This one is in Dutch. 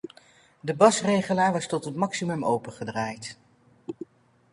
De basregelaar was tot het maximum opengedraaid.